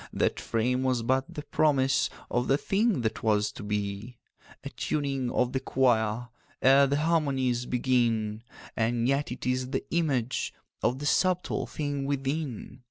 That frame was but the promise of The thing that was to be— 'A tuning of the choir Ere the harmonies begin; And yet it is the image Of the subtle thing within.